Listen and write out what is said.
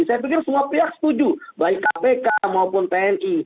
saya pikir semua pihak setuju baik kpk maupun tni